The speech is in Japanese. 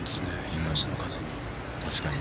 東の風に。